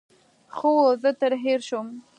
ښه وو، زه ترې هېر شوم.